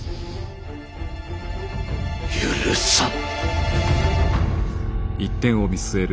許さん。